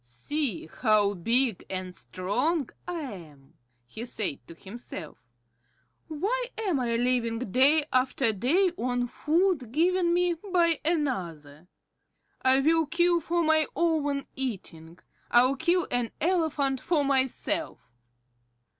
"See how big and strong I am," he said to himself. "Why am I living day after day on food given me by another? I will kill for my own eating. I'll kill an elephant for myself."